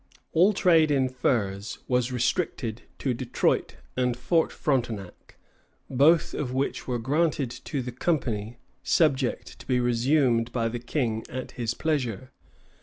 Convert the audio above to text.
All trade in furs was restricted to Detroit and Fort Frontenac, both of which were granted to the company, subject to be resumed by the King at his pleasure.